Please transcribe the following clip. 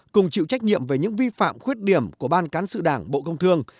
cùng chịu trách nhiệm về những vi phạm khuyết điểm của ban cán sự đảng bộ công thương